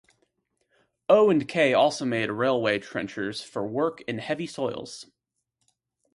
O and K also made railway trenchers for work in heavy soils.